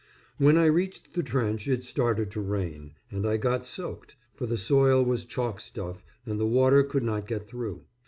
When I reached the trench it started to rain, and I got soaked, for the soil was chalk stuff and the water could not get through.